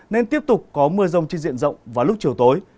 nên tiếp tục có mưa rông trên diện rộng vào lúc chiều tối